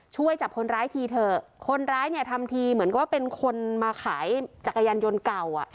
ช่วยจับคนร้ายทีเถอะคนร้ายเนี่ยทำทีเหมือนก็เป็นคนมาขายจักรยานยนต์เก่าอ่ะ